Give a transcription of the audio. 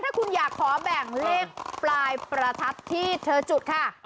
ถ้าคุณอยากขอแบ่งเลขปลายประทัดที่เธอจุดค่ะ